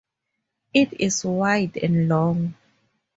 It is wide and long.